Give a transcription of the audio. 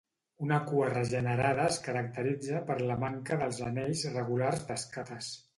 Una cua regenerada es caracteritza per la manca dels anells regulars d'escates.